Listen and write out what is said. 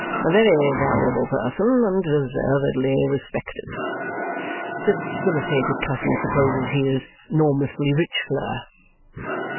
A very valuable person, and deservedly respected." The debilitated cousin supposes he is "'normously rich fler."